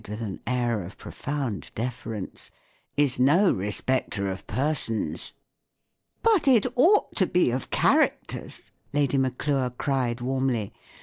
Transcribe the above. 383 air of profound deference, " is no respecter of persons." " But it ought to be of characters," Lady Maclure cried, warmly.